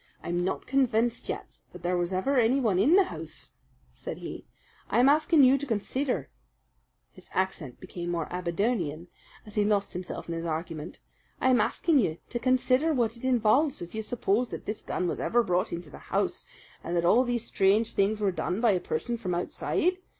"I'm not convinced yet that there was ever anyone in the house," said he. "I'm asking you to conseedar" (his accent became more Aberdonian as he lost himself in his argument) "I'm asking you to conseedar what it involves if you suppose that this gun was ever brought into the house, and that all these strange things were done by a person from outside.